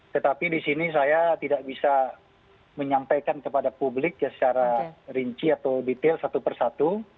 tetapi di sini saya tidak bisa menyampaikan kepada publik secara rinci atau detail satu persatu